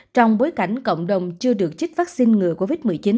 trong bối cảnh cộng đồng chưa được chích vaccine ngừa covid một mươi chín